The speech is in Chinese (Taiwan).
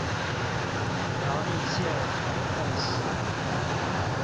苗栗縣頭份市